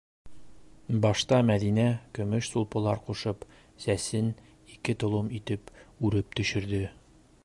Башта Мәҙинә, көмөш сулпылар ҡушып, сәсен ике толом итеп үреп төшөрҙө.